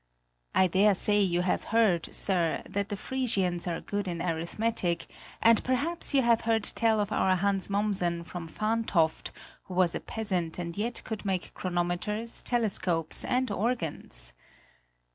I dare say you have heard, sir, that the Frisians are good at arithmetic, and perhaps you have heard tell of our Hans Mommsen from Fahntoft, who was a peasant and yet could make chronometers, telescopes, and organs.